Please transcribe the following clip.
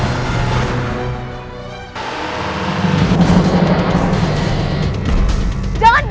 ternyata kamu masih cinta sama aku